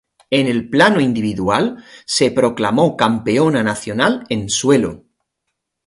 En el plano individual, se proclamó campeona nacional en suelo.